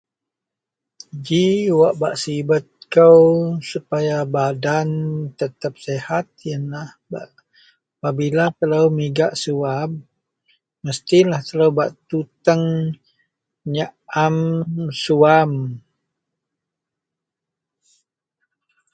ji wak bak sibet kou supaya badan tetap sihat ienlah bak, pabila telou migak suwab mestilah telou bak tuteng nyaam suwam